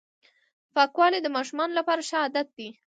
پاکوالی د ماشومانو لپاره ښه عادت دی.